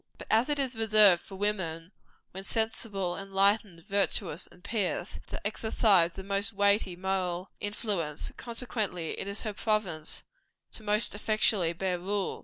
But as it is reserved for woman, when sensible, enlightened, virtuous and pious, to exercise the most weighty moral influence, consequently it is her province most effectually to bear rule.